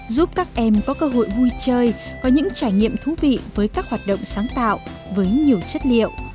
giúp các em có cơ hội vui chơi có những trải nghiệm thú vị với các hoạt động sáng tạo với nhiều chất liệu